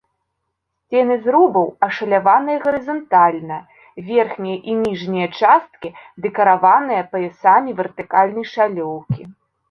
Сцены зрубаў ашаляваныя гарызантальна, верхняя і ніжняя часткі дэкарыраваныя паясамі вертыкальнай шалёўкі.